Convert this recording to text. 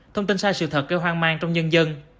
thông tin sai sự thật gây hoang mang trong nhân dân